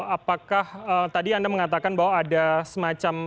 apakah tadi anda mengatakan bahwa ada semacam